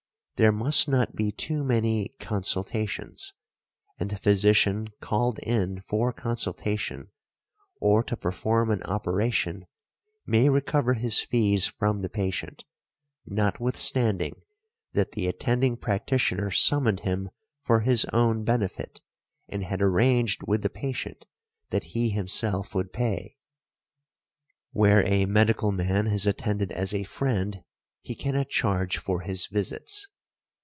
There must not be too many consultations; and the physician called in for consultation or to perform an operation may recover his fees from the |24| patient, notwithstanding that the attending practitioner summoned him for his own benefit and had arranged with the patient that he himself would pay . Where a medical man has attended as a friend, he cannot charge for his visits.